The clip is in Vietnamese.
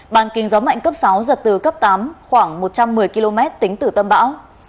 bàn kinh gió mạnh cấp sáu giật từ cấp tám khoảng một trăm một mươi km tính từ tâm bão